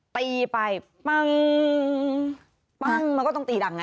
ตีไปปั้งปั้งมันก็ต้องตีดังไง